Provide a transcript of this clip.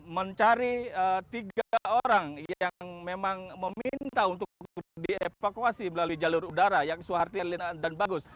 mencari tiga orang yang memang meminta untuk dievakuasi melalui jalur udara dan bagus